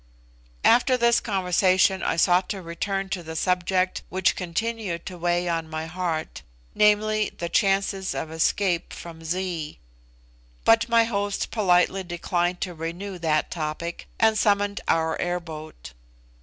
After this conversation I sought to return to the subject which continued to weigh on my heart viz., the chances of escape from Zee. But my host politely declined to renew that topic, and summoned our air boat.